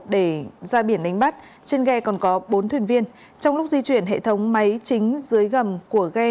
để ra biển đánh bắt trên ghe còn có bốn thuyền viên trong lúc di chuyển hệ thống máy chính dưới gầm của ghe